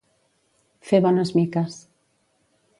Fer bones miques.